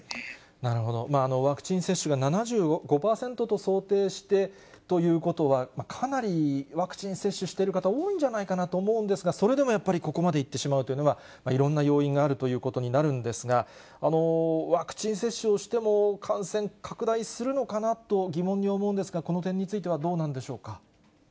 なるほど、ワクチン接種が７５％と想定してということは、かなりワクチン接種している方、多いんじゃないかなと思うんですが、それでもやっぱりここまでいってしまうというのは、いろんな要因があるということになるんですが、ワクチン接種をしても感染拡大するのかなと疑問に思うんですが、この点についてはどうなんでしょうか。